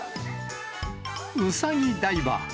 うさぎダイバー。